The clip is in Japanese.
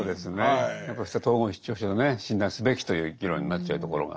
やっぱり統合失調症でね診断すべきという議論になっちゃうところが。